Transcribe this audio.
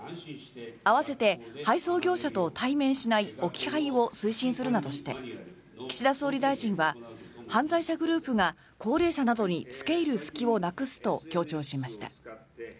併せて配送業者と対面しない置き配を推進するなどして岸田総理大臣は犯罪者グループが高齢者などに付け入る隙をなくすと強調しました。